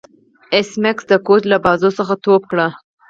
ایس میکس د کوچ له بازو څخه ټوپ کړ